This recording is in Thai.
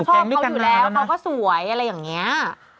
ชอบเขาอยู่แล้วเขาก็สวยอะไรอย่างนี้